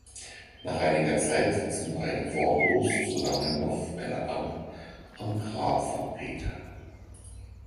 Nach einiger Zeit sitzen beide wortlos zusammen auf einer Bank am Grab von Peter.